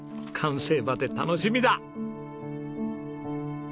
完成まで楽しみだ！